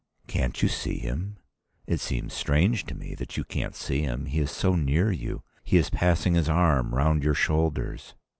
"Can't you see him? It seems strange to me that you can't see him. He is so near you. He is passing his arm round your shoulders."